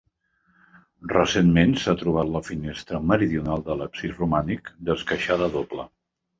Recentment s'ha trobat la finestra meridional de l'absis romànic, d'esqueixada doble.